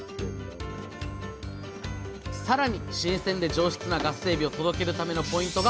さらに新鮮で上質なガスエビを届けるためのポイントが選別！